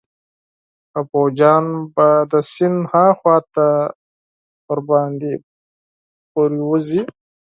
او پوځیان به د سیند هاخوا ته پرې پورې ووزي.